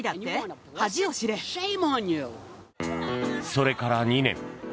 それから２年。